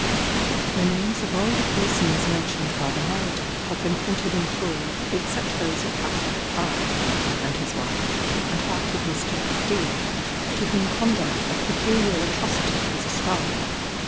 The names of all the persons mentioned by the narrator have been printed in full, except those of Capt. I and his wife, and that of Mr. D , to whom conduct of peculiar atrocity is ascribed.